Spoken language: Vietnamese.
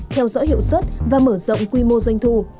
theo dõi hiệu suất và mở rộng quy mô doanh thu